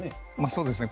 そうですね。